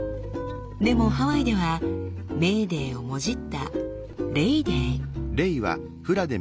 でもハワイではメーデーをもじった「レイ・デー」。